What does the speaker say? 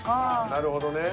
なるほどね。